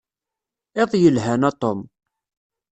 Iḍ yelhan a Tom.